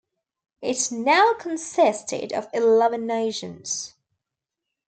It now consisted of eleven nations.